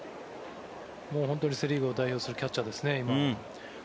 本当にセ・リーグを代表するキャッチャーですね、今は。